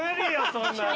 そんなの。